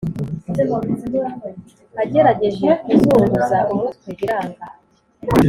agerageje kuzunguza umutwe biranga